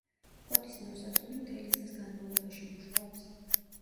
ფოთის ნავსადგური მთელი წლის განმავლობაში მუშაობს.